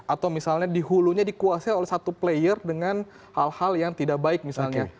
atau misalnya di hulunya dikuasai oleh satu player dengan hal hal yang tidak baik misalnya